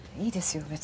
いいですよ